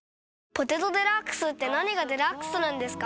「ポテトデラックス」って何がデラックスなんですか？